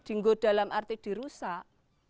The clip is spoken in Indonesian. ia dalam arti dirusak